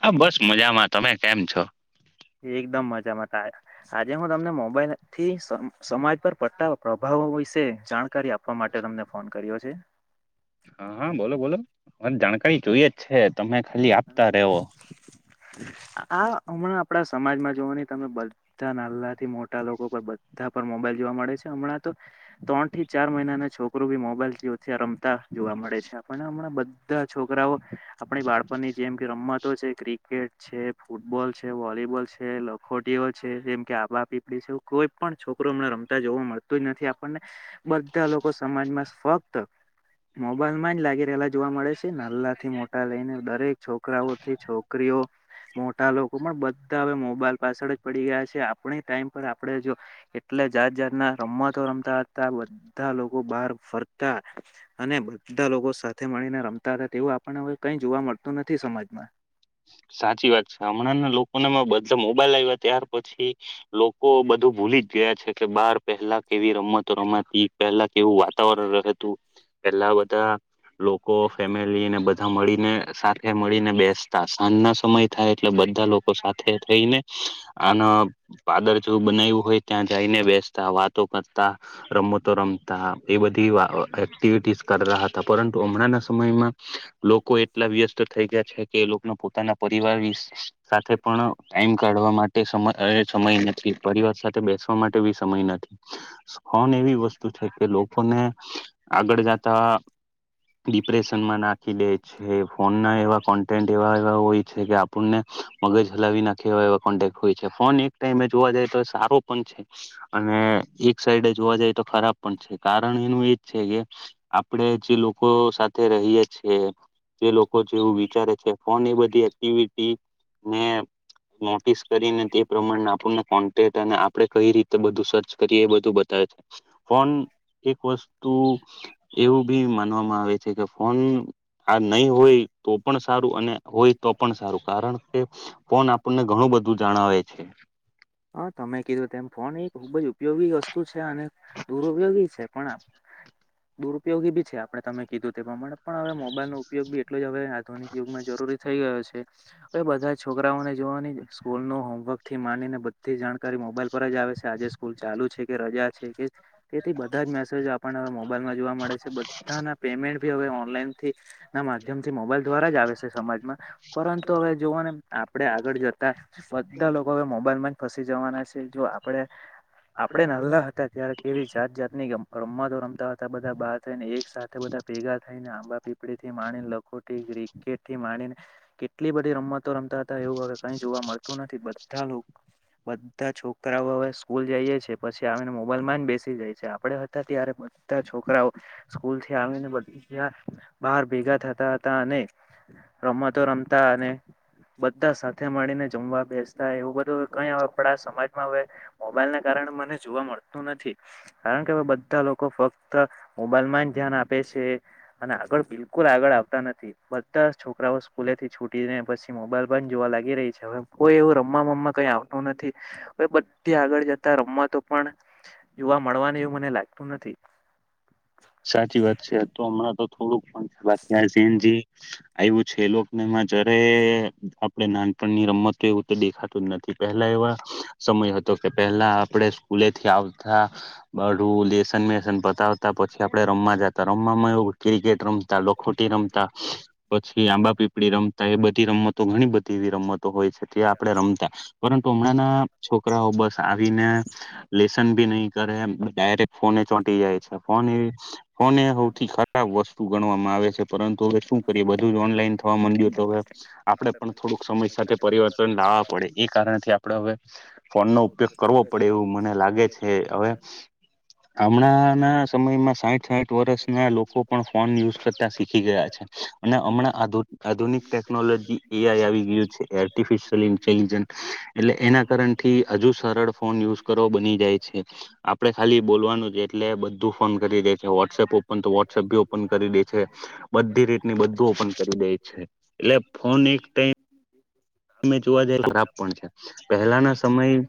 હા બસ મજામાં. તમે કેમ છો? એકદમ મજામાં તા આજે હું તમને મોબાઈલથી સ સમાજ પર પડતા પ્રભાવ તો વિશે જાણકારી આપવા માટે તમને ફોન કર્યો છે. હહ હહ બોલો બોલો મને જાણકારી જોઈએ જ છે. આ હમણાં આપણા સમાજમાં જોવોને તમે બધા નાલાથી મોટા લોકો પર બધા પર મોબાઈલ જોવા મળે છે, હમણાં તો ત્રણ થી ચાર મહિનાના છોકરો બી મોબાઈલ [inaudible] રમતા જોવા મળે છે આપણને હમણાં બધા જ છોકરાઓ આપણી બાળ પનની જેમ કે રમતો છે ક્રિકેટ છે, ફૂટબોલ છે, વોલીબોલ છે, લખોટીઓ છે, જેમ કે આબા પીપળી છે, એવું કોઈ પણ છોકરો હમણાં રમતા જોવું મળતું જ નથી આપણને બધા લોકો સમાજમાં ફક્ત મોબાઈલમાં જ લાગી રહેલા જોવા મળે છે. નાલા થી મોટા લઈ ને દરેક છોકરાઓથી છોકરીઓ મોટા લોકો પણ બધા હવે મોબાઈલ પાછળ જ પડી ગયા છે, આપણે ટાઈમ પર આપણે જો એટલા જાત જાતના રમતો રમતા હતા. બધા લોકો બહાર ફરતા અને બધા લોકો સાથે મળીને રમ તા હતા, તેવું આપણને કંઇ જોવા મળ સાચી વાત છે. હમણાંના લોકોને બધા મોબાઈલ આવ્યા ત્યાર પછી લોકો બધું ભૂલી જ ગયા છે કે બાર પહેલા કેવી રમતો રમાતી, પહેલા કેવું વાતાવરણ રહેતું, પેલા બધા લોકો ફેમિલીને બધા મળીને સાથે મળીને બેસતા. સાંજના સમય થાય એટલે બધા લોકો સાથે થઈને આના પાદર જેવું બનાવ્યું હોય ત્યાં જાઈને બેસતા, વાતો કરતાં, રમતો રમતાં એ બધી વા અ એક્ટિવિટીસ કરતા હતા. પરંતુ હમણાંના સમયમાં લોકો એટલા વ્યસ્ત થઈ ગયા છે કે એ લોક કોનો પોતાના પરિવાર વીશ સાથે પણ ટાઇમ કાઢવા માટે સમય અરે સમય નથ થી પરિવાર સાથ થે બેસવા માટે બી સમય નથી. ફોન એવી વસ્તુ છે કે લોકોને આગળ જા તા ડીપ્રેશનમાં નાખી દે છે. ફોનના એવા કોન્ટેન્ટ એવા એવા હોય છે કે, આપણને મગજ હલાવી નાખે એવા એવા કોન્ટેક હોય છે, ફોન એક ટાઈમે જોવા જાઈ તે સારો પન છે, અને એક સાઈડે જોવા જાય તો ખરાબ પન છે. કારણ એનું એજ છે કે આપડે જે લોકો સાથે રહીએ છીએ, જે લોકો જેવું વિચારે છે ને બધી એક્ટિવિટી ને નોટિસ કરીને તે પ્રમાણે આપણને કોન્ટેટ અને આપડે કઈ રીતે બધું સર્ચ કરીએ એ બધું બતાવે છે. ફોન એક વસ્તુ એવું બી માનવામાં આવે છે કે ફોન હા નહી હોય તો પણ સારું અને હોય તો પણ સારું કારણ કે ફોન આપણને ઘણું બધું જાણાવે છે હા તમે કીધું તેમ ફોન એ ખુબ જ ઉપયોગી વસ્તુ છે અને દુર ઉપયોગી છે પણ દુરુપયોગી બી છે આપણે તમે કીધું તે પ્રમાણે પણ હવે મોબાઈલ નો ઉપયોગ બી એટલો જ હવે આધુનિક યુગમાં પુટી થઈ રહ્યો છે હવે બધા છોકરાઓને જોવાની સ્કૂલ નુ હોમવર્ક થી માનીને બધી જાણકારી મોબાઈલ પર જ આવે છે આજે સ્કૂલ ચાલુ છે કે રજા છે કે તેથી બધા જ મેસેજો આપણને મોબાઈલમાં જોવા મળે છે બધાના પેમેન્ટ ભી હવે ઓનલાઈન થી આમ માધ્યમથી મોબાઈલ દ્વારા જ આવે છે સમાજમાં પરંતુ હવે જોવો ને આપડે આગળ જતા બ બધા લોકો હવે મોબાઈલમાં જ ફસી જવાના છે જો આપડે આપડે નાનલા હતા ત્યારે એવી જાત જાતની રમતો રમતા હતા બધા બાર થઈને એક સાથે બધા ભેગા થઈને આંબા પીપળી થી માણીને લખોથી ક્રિકેટ થી માણીને કેટલી બધી રમતો રમતા હતા એવું હવે કઈ જોવા મળતું તું નથી બધા લોક બધા છોકરાઓ હવે સ્કૂલ જઈએ છે પછી આવીને મોબાઈલ માં બેસી જાય છે આપડે હતા ત્યારે બધા છોકરાઓ સ્કૂલથી આવીને બધા બાર ભેગા થતા હતા અને રમતો રમતા અને બધા સાથે મળીને જમવા બેસતા એવું બધું કઈ આપડા સમાજમાં હવે મોબાઈલને કારણ ણ મને જોવા મળતું નથી. કારણ કે હવે બધા લોકો ફક્ત મોબાઈલ માં ધ્યાન આપે છે અને આગળ બિલકુ કુલ આગળ આવતા નથી બધા છોકરાઓ સ્કૂલે થી છૂટીને પછી મોબાઈલ પણ જોવા લાગી રહી છે હવે કોય એવું રમવા બમવા કઈ આવતું નથી બધી આગળ જતા રમવા તો પણ યુવા મળવાની એવું મને લાગતું નથી. સાચી વાત છે તો હમણાં તો થોડુંક પણ [unintelligible] સીન જે આવયુ છે એ લોકનેમા એમાં જરેએ આપડે નાનપણની રમત એવું તો દેખાતું જ નથી. એપહેલા એવા સમય હતો કે પહેલા આપડે સ્કૂલેથી આવથા બડુ સનમેસન પતાવતા પ પછી આપડે રમવા જતા રમવામાં એવું ક્રિકેટ રમતા લખોટી રમતા પછી આંબા પીપળી. રમતા એ બધી રમતો ઘણી બધી એવી રમત. તો હોય છે તો એ આપડે રમતા પરંતુ હમણાં ના છોકરાઓ બસ આવીને લેસનભી નહી કરે એમ ડાયરેક્ટ ફોન એ ચોંટી જાય છે ફોન એ ફોન એ હૌથી ખરાબ વસ્તુ ગણવામાં આવે છે પરંતુ હવે શું કરીએ બધું જ ઓનલાઈન થવા મંડ્યું તો હવે આપડે પણ થોડુંક સમય સાથે પરિવર્તન લાવવા પડે એ કારણથી આપડે હવે ફોનનો ઉપયોગ કરવો પડે એવું મને લાગે છે હવે હમણાં ના સમય સાઈટ વર્ષના લોકો પણ ફોન યુઝ કરતા શીખી ગયા છે અને હમણાં આધુ આધુનિક ક્નોલોજી એ આઈ આવી ગયો છે આર્ટીફીસીઅલ ઇન્ટેલીજન્ટ એના કારણ થી હજુ સરળ ફોન યુઝ કરો બની જાય છે આપડે ખાલી બોલવાનું જ એટલે બ ધુ ફોન કરી દે છે વો વોટ્સએપ ઓપન તો વોટ્સએપ બી ઓપન કરી દે છે બધી રીતની બધું ઓપન કરી દેય છે એટલે ફોન એક ટાઈપ મેં જોવા જાય ખરાબ પણ છે પહેલાના સમય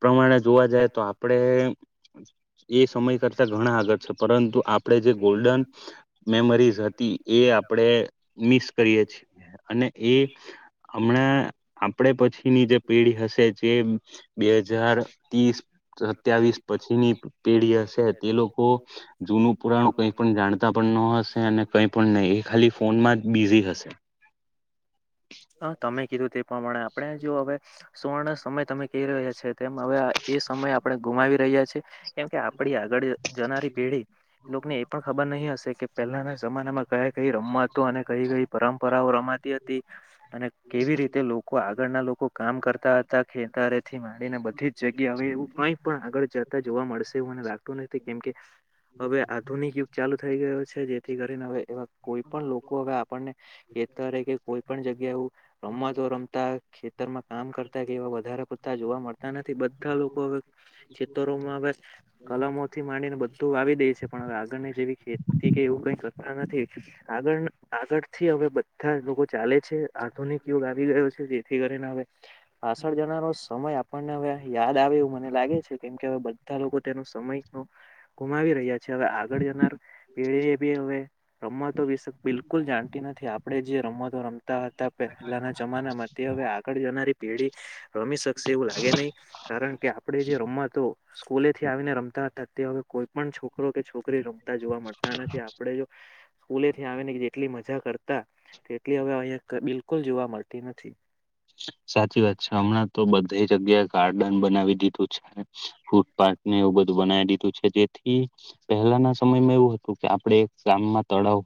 પ્રમાણે જોવા જાય તો આપડે એમ એ સમય કરતા ઘણા આગળ છે પરંતુ આપ આપડે જે ગોલ્ડન મેમરીઝ હતી એ આપડે મિસ કરીએ છીએ અને એ હમણાં આપડે પછીની જે પેઢી હશે જે બે હજાર ત્રીસ સત્યાવી પછીની પેઢી હશે તે લોકો જૂનું પુરાણું કંઈ પણ જાણતા પણ ન હશે અને કંઈ પણ નહીં એ ખાલી ફોનમાં જ બિઝી હશે. હ તમે કીધું તે પ્રમાણે આપણે જો હવે સુવર્ણ સમય તમે કેઈ રહ્યા છે તેમ હવે એ સમય આપડે ગુમાવી રહ્યા છે કેમ કે આપડી આગળ જનારી પેઢી લોકને એ પણ ખબર નહિ હશે કે પહેલાના જમાનામાં કયા કઈ રમતો અને કઈ કઈ પરંપરાઓ રમાતી હતી અને કેવી રીતે લોકો આગળના લોકો કામ કરતા હતા ખેતરે થી માંડીને બધી જગ્યા વી એવું કઈ પણ આગળ જતા જોવા મળશે એવું મને લાગતું નહી તો કેમકે હવે આધુનિક યુગ ચાલુ થઈ ગયો છે જેથી કરીને હવે એવા કોઈ પણ લોકો હવે આપણને એકતા રેય કે કોઈ પણ જગ્યા એવુ રમવા જો રમતા ખેતરમાં કામ કરતા કેવા વધારે પડતા જોવા મળતા નથી બધા લોકો હવે ખેતરોમાં હવે કલમોથી માંડીને બધું આવી દેય છે પણ હવે આગળની જેવી ખેતી કે એવું કઈ કરતા નથી. આગળ આગળ થી હવે બ ધા લોકો ચાલે છે આધુનિક યોગ આવી ગયો છે જેથી કરીને હવે પાછળ જણાનો સમય આપણને હવે યાદ આવે મને લાગે છે કેમ કે હવે બધા લોકો તેનો સમય ગુમાવી રહ્યા છે હવે આગળ જનાર પેઢીને બી હવે રમતો બિલકુલ જાણતી નથી આપડે જે રમત તો રમતા હતા પહેલાના જમાનામાં તે હવે આગળ જનારી પેઢી રમી શકશે એવું લાગે નહી કારણ કે આપડે જે રમવા તો સ્કૂલે થી આવીને રમતા હતા તે હવે કોઈ પણ છોકરો કે છોકરી રમતા જોવા મળતા નથી આપડે જો સ્કૂલેથી આવીને જેટલી મજા કરતા તેટલી હવે અહયા ક બિલકુલ જોવા મળતી નથી. સાચી વાત છે હમણાં તો બધી જગ્યાએ ગાર્ડન બનાવી દીધું છે અને ફૂટપાર્ક. એવું બધું બનાવી દીધું છે જેથી પહેલાના સમયમાં એવું હતું કે આપડે ગામમાં તળાવ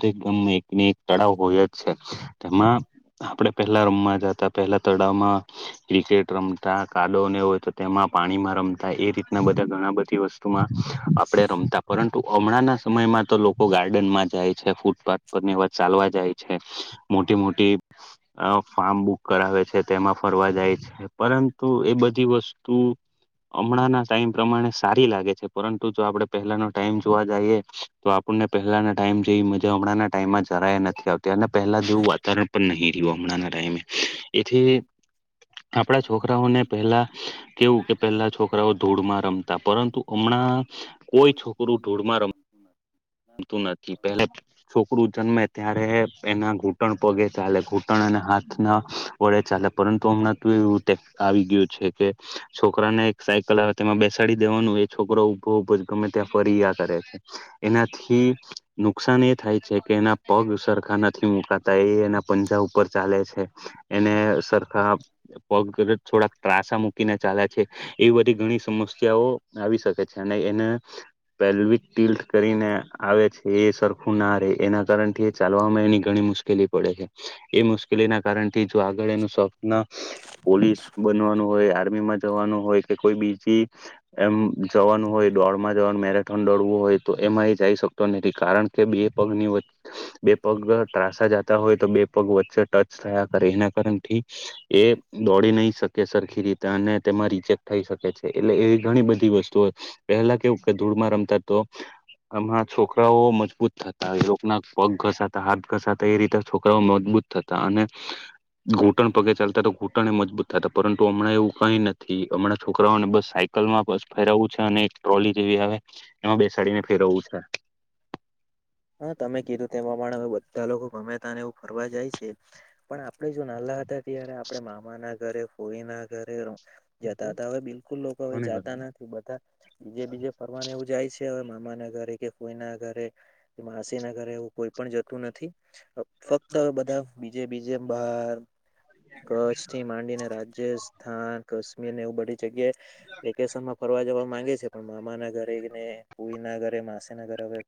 દરેક ગમમાં એકને એક તળાવ હોય જ છે તેમાં આપડે પેલા રમવા રહેતા પેહેલા તળાવમાં ક્રિકેટ રમતા કાદવ નેવો હતો. તેમાં પાણીમાં રમતા એ રીતના બધા ઘણા બધી વસ્તુમાં આપડે રમતા પરં તુ હમણાં ના સમયમાં તો લોકો ગાર્ડન માં જાય છે ફૂટપાથ પર એવા ચાલવા જાય છે. મોટી મોટી અ ફાર્મ કરાવે છે તેમાં ફરવા જાય છે પરંતુ એ બધી વસ્તુ હમણાં ના ટાઈમ પ્રમાણે સારી લાગે છે પરંતુ જો આપડે પહેલાનો ટાઈમ જોવા જઈએ તો આપણને પહેલાના ટાઈ જે મજા હમણાં ટાઈમમાં જરાયા નથી આવતી અને પહેલા જેવું વાવરણ પણ નહીં રહ્યું હમણાં ટાઈમે. એથી આપડા છોકરાઓને પહેલા કેવું કે પહેલા છોકરાઓ ધૂળમાં રમતા પરંતુ હમના ના કોઈ છોકરું ઢૂળમાં રમ તું નથી પેલે છોકરું જન્મે ત્યારે એના ઘૂંટણ પગે ચાલે ઘૂટ ટન અને હાથના. વડે ચાલે પરંતુ હમણાં તો એવું આવી ગયું છે કે છોકરાને એક સાયકલ આવે તેમાં બેસ ડી દેવાનું એ છોકરો ઉભો જ ગમે ત્યાં ફરી્યા કરે છે એનાથી થી નુકસાન એ થાય છે કે એના પગ સરખા નથી મુકાતા એ એના પંજા ઉપર ચાલે છે. એને સરખા પગ થોડાક ત્રાસ મૂકીને ચાલે છે એવી બધી ગણી સમસ્યાઓ આવી શકે છે અને એને પેલવી કરીને આવે એ સરખું ના રહેે એના કારણ થી એ ચાલવામાં એની ઘણી મુશ્કેલી પડે છે એ મુશ્કેલી ના કારણ થી જો આગળ એનું સ્વપન પોલીસ બનવાનું હોય આર્મી માં જવાનું હોય કે કોઈ બીજી એમ જવાનું હોય દોડમાં જવાનું મેરેથોન દોડવું હોય. તો એમાં એ જઈ શકતો નથી કારણ કે બે પગની વ બે પગ ત્રાસા જાતા હોય તો બે પગ વચ્ચે ટચ થયા એના કારણથી એ દોડી નહી શકે સરખી રી તે અને તેમાં રિજેક્ટ થઈ શકે છે એટલે એવી ઘણી બધી વસ્તુ હોય પહેલા કેવું કે ધૂળમાં રમતા તો આમાં છોકરાઓ મજબૂત થતા એ લો ના પગ ઘસાતા હાથ ઘસાતા એ રીતે છોકરાઓ મજબૂત થતા અને ઘૂંટણ પગે ચાલતા તો ઘૂંટણ એ મજબૂત થતા પરંતુ હમણાં એવું કઈ નથી હમણાં છોકરાઓને બસ સાયકલ માં બસ ફેરાવું છે અને એક ટ્રોલી જે એ હવે એમાં બેસાડીને ફેરવવું છે. હા તમે કીધું તેમાં પણ હવે બધા લોકો ગમે તને એવું ફરવા જાય છે. પણ આપડે જો નાનલા હતા ત્યારે આપણે મામા ના ઘરે ફોઈના ઘરે જતા હતા. હવે બિલકુલ લોકો હવે જાતા નથી. બધા બીજે બીજે ફરવાનું એવું જાય છે. હવે મામા ના ઘરે, કે કોઈ ના ઘરે, કે માસી ના ઘરે, એવું કોઈ પણ જતું નથી. ફક્ત હવે બધા બીજે બીજે બાહાર કચ્છ થી માંડીને રાજસ્થાન, કાશ્મીર ને એવું બધી જગ્યાએ વેકેશન મા ફરવા જવા માંગે છે. પણ મામા ના ઘરેને, કોઈ ના ઘરે, માસી ના ઘરે હવે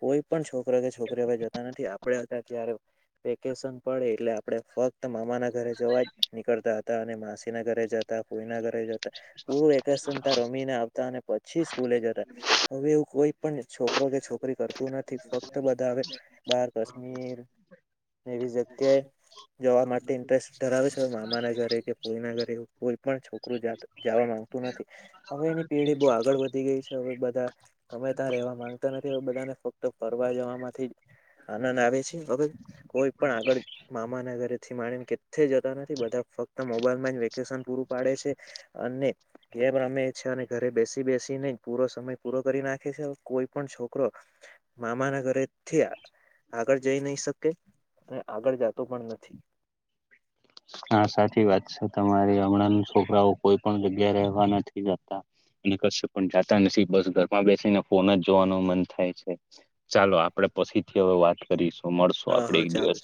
કોઈ પણ છોકરો કે છોકરીઓ હવે જતા નથી આપડે હતા ત્યારે વેકેશન પડે એટલે, આપણે ફક્ત મામાના ઘરે જવા જ નીકળતા હત તા અને માસીના ઘરે જતા. ફોઈના ઘરે જતા તા હુ વેકેશ તા રમીને આવતા અને પછી સ્કૂલે જતા. હવે એવુ કોઈ પણ છોક કરો કે છોકરી કરતું નથી. ફક્ત બધા અવે બાર કાશ્મીર એવી જગ્યાએ જવા માટે ઇન્ટરેસ્ટ ધરાવે છે. મામાના ઘરે કે ફો ઈના ઘરે એવુ કોઈ પણ છોકરું જાત જવા માંગતું નથી. હવે એની પેઢી બો આગળ વધી ગઈ છે. હવે બધા ગમે ત્યાં રહેવા માંગતા નથી. હવે બધાને ફક તો ફરવા જવા માથી જ આનંદ આવે છે. અવે કોઈપણ આગળ મામાના ઘરેથી માણીને કેથી જતા નથી બધા ફક્ત મોબાઈલમાં જ વેકેશન પૂરું પાડે છે. અને ગેમ રમે છે. અને ઘરે બેસી બેસી ને પૂરો સમય પૂરો કરી નાખે છે. કોઈ પણ છોકરો મામાના ઘરેથી આગળ જઈ નહી શકે. અને આગળ જાતો પણ નથી હા સાચી વાત છે. તમારી હમણાં ના છોકરાઓ કોઈ પણ જગ્યા રહેવા નથી જતા અને કશે પણ જાતા નથી. બસ ઘરમાં બેસીને ફોનજ જોવાનું મન થાય છે. ચાલો આપડે પછીથી હવે વાત કરીશું. મળશો આપડે એક દિવસ